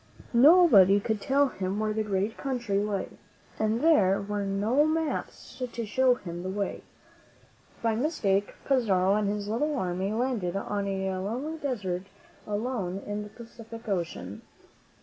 Nobody could tell him where the great country lay, and there were no maps to show him the way. By mis take, Pizarro and his little army landed on a lonely desert island in the Pacific Ocean.